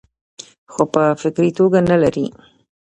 خو پۀ فکري توګه نۀ لري -